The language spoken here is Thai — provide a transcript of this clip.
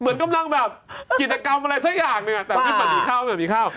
เหมือนกำลังแบบกินิการ์กรรมอะไรสักอย่างแต่มันผีเข้า